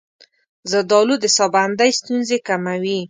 زردآلو د ساه بندۍ ستونزې کموي.